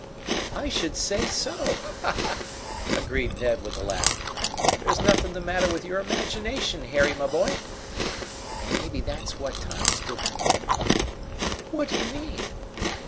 "I should say so!" agreed Ned, with a laugh. "There's nothing the matter with your imagination, Harry, my boy!" "And maybe that's what Tom's doin'!" "What do you mean?"